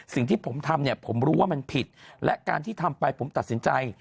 สิ่งที่ผมทำเนี่ยผมรู้ว่ามันผิดและการที่ทำไปผมตัดสินใจ